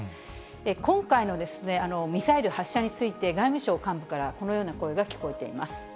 今回のミサイル発射について、外務省幹部から、このような声が聞こえています。